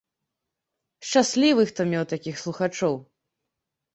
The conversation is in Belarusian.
Шчаслівы, хто меў такіх слухачоў.